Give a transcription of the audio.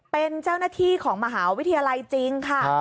เป็นเจ้าหน้าที่ของมหาวิทยาลัยจริงค่ะ